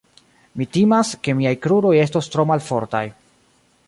Mi timas, ke miaj kruroj estos tro malfortaj.